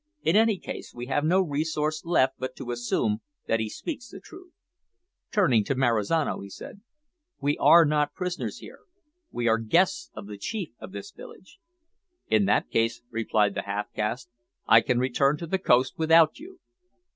In any case we have no resource left but to assume that he speaks the truth." Turning to Marizano, he said: "We are not prisoners here. We are guests of the chief of this village." "In that case," replied the half caste, "I can return to the coast without you."